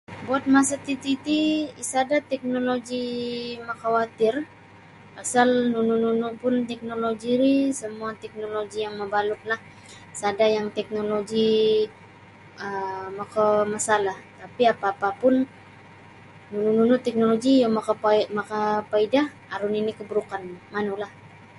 Buat masa tititi sada teknoloji makawatir pasal nunu-nunu pun teknoloji ri semua teknoloji yang mabalutlah sada yang teknoloji um makamasalah tapi apa pun nunu-nunu teknoloji yang makapaidah aru nini keburukannyo manulah.